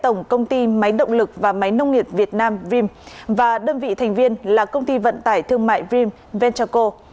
tổng công ty máy động lực và máy nông nghiệp việt nam vrim và đơn vị thành viên là công ty vận tải thương mại vrim venture co